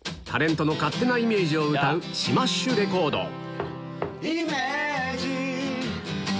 タレントの勝手なイメージを歌うシマッシュレコード